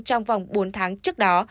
trong vòng bốn tháng trước đó